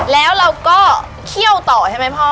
แล้วเราก็เคี่ยวต่อใช่ไหมพ่อ